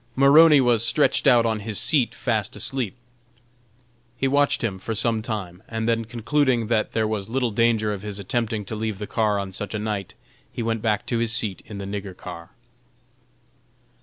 Maroney was stretched out on his seat fast asleep. He watched him for some time, and then concluding that there was little danger of his attempting to leave the car on such a night, he went back to his seat in the "nigger car."